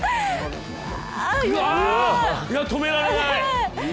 止められない。